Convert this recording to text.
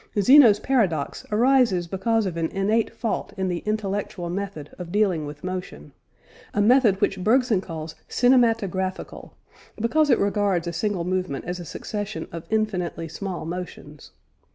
Zeno's paradox arises because of an innate fault in the "intellectual" method of dealing with motion; a method which Bergson calls "cinematographical," because it regards a single movement as a succession of infinitely small motions.